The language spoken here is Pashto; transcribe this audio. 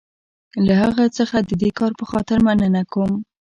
له هغه څخه د دې کار په خاطر مننه کوم.